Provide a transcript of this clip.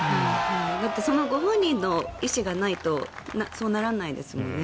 だってご本人の意思がないとそうならないですもんね。